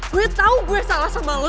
gue tau gue salah sama lo